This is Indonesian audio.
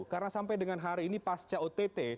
karena sampai dengan hari ini pasca ott terhadap sejujurnya